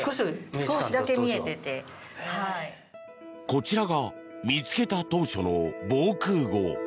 こちらが見つけた当初の防空壕。